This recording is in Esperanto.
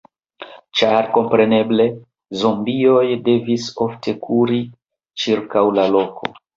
Ĉar kompreneble, zombioj devis ofte kuri ĉirkaŭ la loko...